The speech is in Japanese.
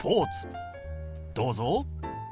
どうぞ。